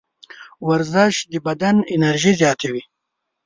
ورزش د بدن انرژي زیاتوي.